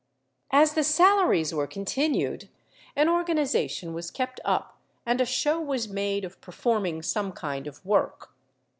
As the sal aries were continued, an organization was kept up and a show was made of performing some kind of work.